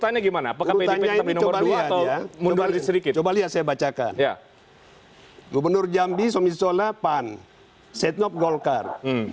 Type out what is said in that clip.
nggak tahu mungkin nomor tiga